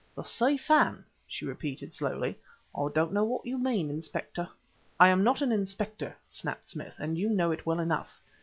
"The Si Fan!" she repeated slowly. "I don't know what you mean, Inspector." "I am not an Inspector," snapped Smith, "and you know it well enough.